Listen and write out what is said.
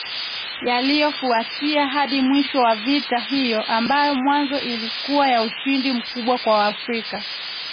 yaliyofuatia hadi mwisho wa vita hiyo ambayo mwanzo ilikuwa ya ushindi mkubwa kwa Waafrika